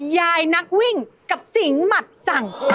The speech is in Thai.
ยายนักวิ่งกับสิงหมัดสั่ง